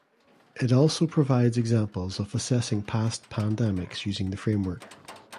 It also provides examples of assessing past pandemics using the framework.